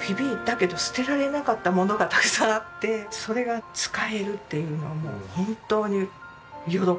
ヒビいったけど捨てられなかったものがたくさんあってそれが使えるっていうのはもう本当に喜び。